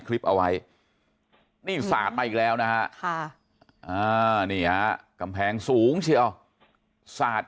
คลิปเอาไว้นี่สาดมาอีกแล้วนะฮะนี่ฮะกำแพงสูงเชียวสาด